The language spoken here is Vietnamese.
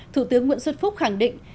thủ tướng nguyễn xuân phúc khẳng định